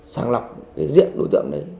sàng lọc diện đối tượng đấy